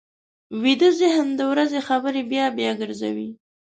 ویده ذهن د ورځې خبرې بیا بیا ګرځوي